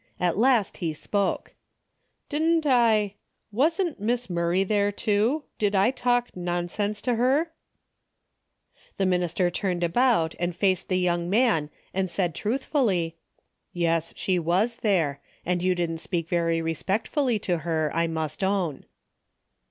At last he spoke. " Didn't I, — Wasn't Miss Murray there too ? Did I talk nonsense to her ?" The minister turned about and faced the young man and said truthfully, "Yes, she was there, and you didn't speak very respectfully to her, I must own."